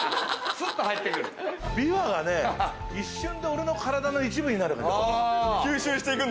びわがね、一瞬で俺の体の一部になる。